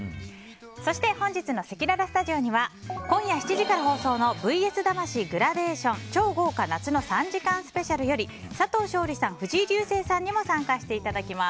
そして本日のせきららスタジオには今夜７時から放送の「ＶＳ魂グラデーション超豪華夏の３時間ＳＰ」より佐藤勝利さん、藤井流星さんにも参加していただきます。